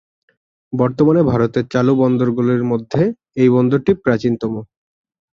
বর্তমানে ভারতের চালু বন্দরগুলির মধ্যে এই বন্দরটি প্রাচীনতম।